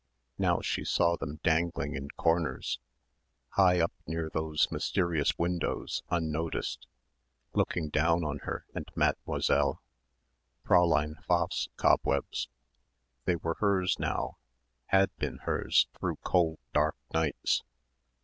Now she saw them dangling in corners, high up near those mysterious windows unnoticed, looking down on her and Mademoiselle ... Fräulein Pfaff's cobwebs. They were hers now, had been hers through cold dark nights....